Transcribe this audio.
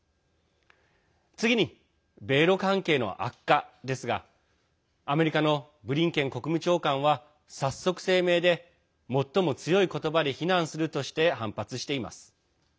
次に、米ロ関係の悪化ですがアメリカのブリンケン国務長官は早速、声明で最も強い言葉で非難するとして反発しています。